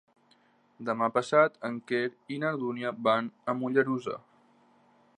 Demà passat en Quer i na Dúnia van a Mollerussa.